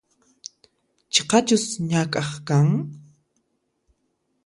Chiqachus ñak'aq kan?